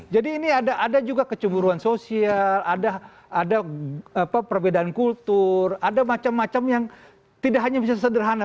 jadi ini ada juga keceburuan sosial ada perbedaan kultur ada macam macam yang tidak hanya bisa sederhana